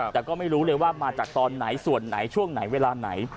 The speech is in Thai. แต่ก็ไม่รู้เลยว่ามาจากตอนไหนส่วนไหนช่วงไหนเวลาไหน